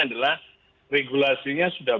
adalah regulasinya sudah